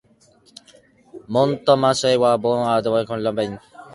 Montmorency was born at Chantilly to the ancient Montmorency family.